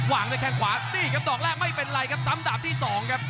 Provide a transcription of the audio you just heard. วางแค่งขวาตีกับดอกแรกไม่เป็นไรครับ๓ดาบที่๒ครับ